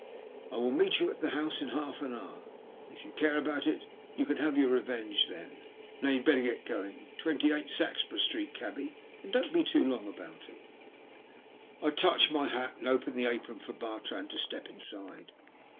^'I will meet yon at the house in half an hoor, and if yon care about it you can have your revenge then ; now you had better be going. Twenty eight, Saxeburgh Street, cabby, and don't be long about it." I touched my hat and opened the apron for Bartrand to step inside.